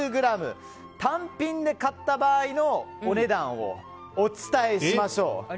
単品で買った場合のお値段をお伝えしましょう。